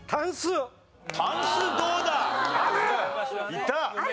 いった！